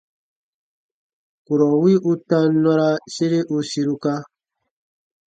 Kurɔ wi u tam nɔra sere u siruka.